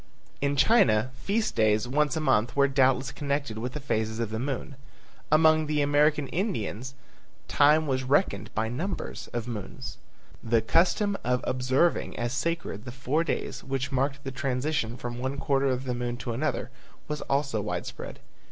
In China feast days once a month were doubtless connected with the phases of the moon. Among the American Indians time was reckoned by numbers of moons. The custom of observing as sacred the four days, which marked the transition from one quarter of the moon to another, was also widespread.